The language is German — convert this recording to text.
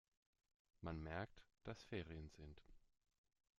Man merkt, dass Ferien sind.